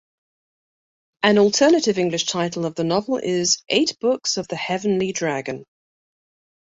An alternative English title of the novel is "Eight Books of the Heavenly Dragon".